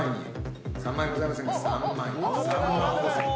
３万５，０００。